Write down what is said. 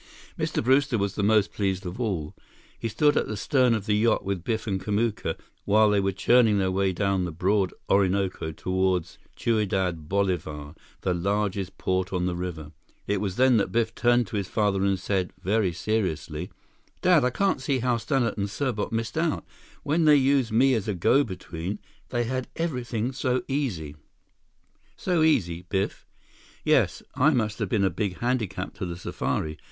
Mr. Brewster was the most pleased of all. He stood at the stem of the yacht with Biff and Kamuka, while they were churning their way down the broad Orinoco toward Ciudad Bolivar, the largest port on the river. It was then that Biff turned to his father and said, very seriously: "Dad, I can't see how Stannart and Serbot missed out. When they used me as a go between, they had everything so easy." "So easy, Biff?" "Yes. I must have been a big handicap to the safari.